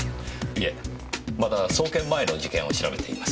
いえまだ送検前の事件を調べています。